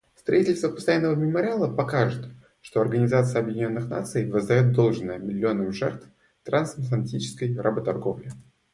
Строительство постоянного мемориала покажет, что Организация Объединенных Наций воздает должное миллионам жертв трансатлантической работорговли.